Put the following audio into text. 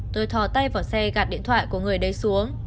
tôi thò tay vào xe gạt điện thoại của người đấy xuống